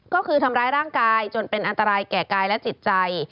ก็คือทำร้ายร่างกายจนเป็นอันตรายแก่กายและจิตใจ